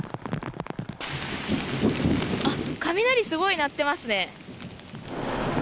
あっ、雷すごい鳴ってますね。